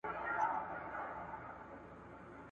غوټۍ مي وسپړلې ..